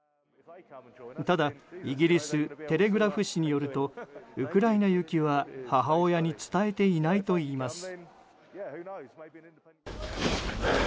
ただ、イギリステレグラフ紙によるとウクライナ行きは母親に伝えていないといいます。